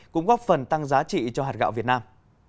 cũng góp phần tăng giá trị cho hạt gạo việt nam